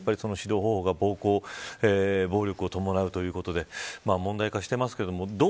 指導方法が暴力を伴うということで問題化してますけど。